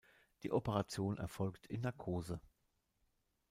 Die Operation erfolgt in Narkose.